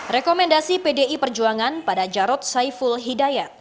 rekomendasi pdi perjuangan pada jarod saiful hidayat